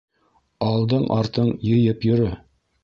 Алдың-артың йыйып йөрө.